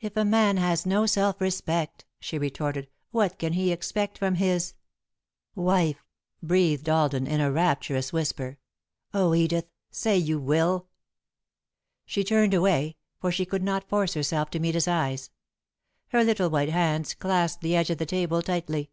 "If a man has no self respect," she retorted, "what can he expect from his " "Wife," breathed Alden, in a rapturous whisper. "Oh, Edith, say you will!" She turned away, for she could not force herself to meet his eyes. Her little white hands clasped the edge of the table tightly.